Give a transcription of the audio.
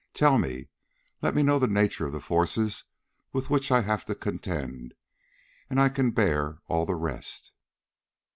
Tell me. Let me know the nature of the forces with which I have to contend, and I can bear all the rest."